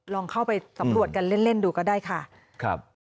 ลองเข้าไปสำรวจกันเล่นดูก็ได้ค่ะ